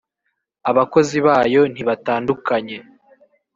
abakozi bayo ntibatandukanye.